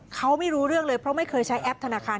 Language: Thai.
เขาไม่รู้เรื่องเลยเพราะไม่เคยใช้แอปธนาคาร